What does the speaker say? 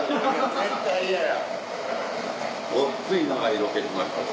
絶対嫌や。